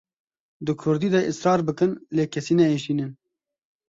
Di Kurdî de israr bikin lê kesî neêşînin.